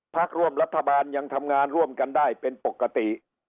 พักร่วมรัฐบาลยังทำงานร่วมกันได้เป็นปกติ